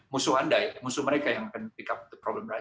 musuh anda musuh mereka yang akan mengambil masalah kan